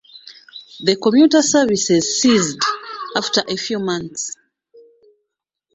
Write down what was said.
The commuter services ceased after a few months.